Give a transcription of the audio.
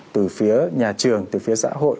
từ phía nhà trường từ phía xã hội